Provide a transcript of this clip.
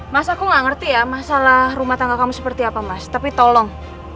mas aku nggak ngerti ya masalah rumah tangga kamu seperti apa mas tapi tolong